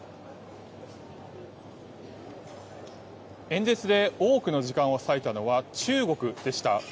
演説で多くの時間を割いたのは中国でした。